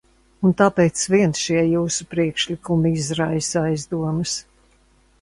Un tāpēc vien šie jūsu priekšlikumi izraisa aizdomas.